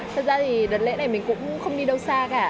thật ra thì đợt lễ này mình cũng không đi đâu xa cả